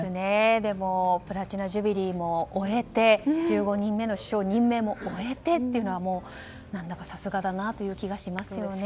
でもプラチナ・ジュビリーも終えて１５人目の首相任命も終えてというのが何だかさすがだなという気がしますね。